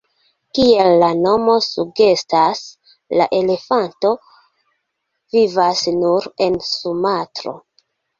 Kiel la nomo sugestas, la elefanto vivas nur en Sumatro.